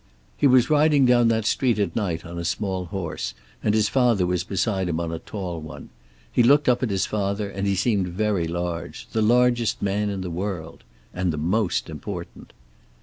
He was riding down that street at night on a small horse, and his father was beside him on a tall one. He looked up at his father, and he seemed very large. The largest man in the world. And the most important.